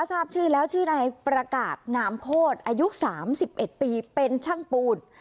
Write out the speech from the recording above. ทราบชื่อแล้วชื่อในประกาศนามโคตรอายุสามสิบเอ็ดปีเป็นช่างปูน